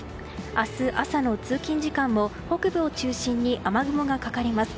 明日朝の通勤時間も北部を中心に雨雲がかかります。